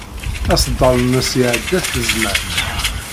Aseḍḍel-nnes iɛedda-t zzman.